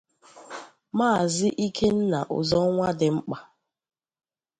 Maazị Ikenna Ozonwadinkpa